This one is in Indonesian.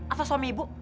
atau suami ibu